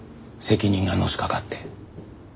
責任がのしかかって。